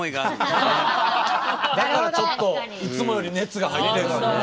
だからちょっといつもより熱が入ってんすね。